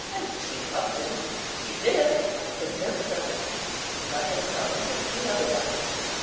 And she loved him, she did!—I'm convinced of it!—nothing shall convince me otherwise!